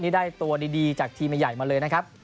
นี่ได้ตัวดีจากทีมใหญ่มาเลยนะครับ